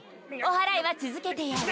おはらいは続けてやる。